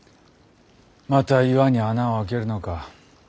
また岩に穴を開けるのか。